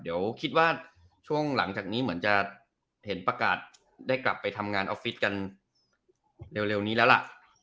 เดี๋ยวคิดว่าช่วงหลังจากนี้เหมือนจะเห็นประกาศได้กลับไปทำงานออฟฟิศกันเร็วนี้แล้วล่ะ